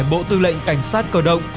bộ tư lệnh cảnh sát cơ động